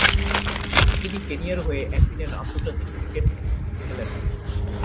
তিনি কেনিয়ার হয়ে একদিনের আন্তর্জাতিক ক্রিকেট খেলেন।